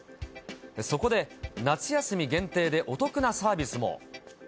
そこで、夏休み限定でお得なサービスも。